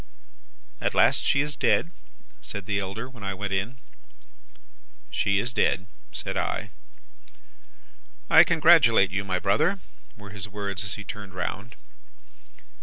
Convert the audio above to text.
"'At last she is dead?' said the elder, when I went in. "'She is dead,' said I. "'I congratulate you, my brother,' were his words as he turned round.